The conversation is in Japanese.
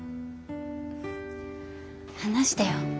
話してよ。